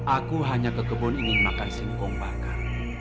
aku hanya ke kebun ingin makan singkong bakar